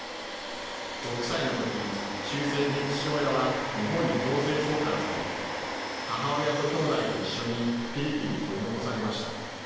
６歳のとき、終戦で父親は日本に強制送還され、母親と兄弟と一緒に、フィリピンに取り残されました。